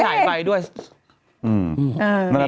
ได้ถ่ายไปด้วย